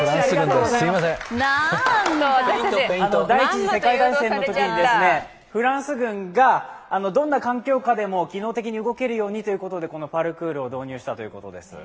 第一次世界大戦のときに、フランス軍がどんな環境下でも機能的に動けるようにということでこのパルクールを導入したということです。